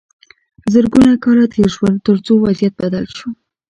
زرګونه کاله تیر شول تر څو وضعیت بدل شو.